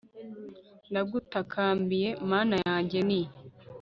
ndagutakambiye mana yanjye, ni